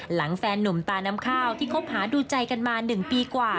แฟนหนุ่มตาน้ำข้าวที่คบหาดูใจกันมา๑ปีกว่า